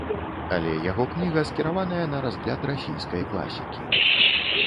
Але яго кніга скіраваная на разгляд расійскай класікі.